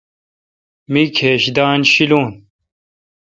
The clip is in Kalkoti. می کھیج دن شیلون۔